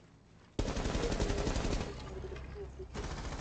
Alikuwa maarufu kwa upendo wake wa pekee.